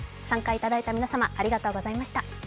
参加いただいた皆さん、ありがとうございました。